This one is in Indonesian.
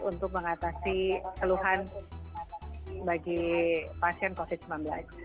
untuk mengatasi keluhan bagi pasien covid sembilan belas